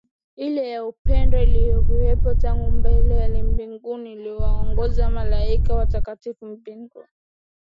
ile ya upendo iliyokuwepo tangu milele Mbinguni ikiwaongoza Malaika watakatifu mbinguni